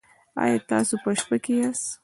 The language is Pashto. ایا تاسو په شپه کې یاست؟